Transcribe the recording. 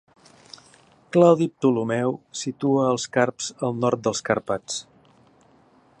Claudi Ptolemeu situa als carps al nord dels Carpats.